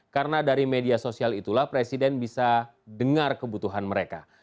karena dari media sosial itulah presiden bisa dengar kebutuhan mereka